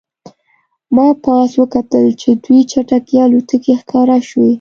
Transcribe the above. ما پاس وکتل چې دوې چټکې الوتکې ښکاره شوې